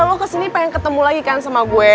lo ke sini pengen ketemu lagi kan sama gue